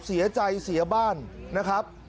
เสียใจเสียบ้านนะครับ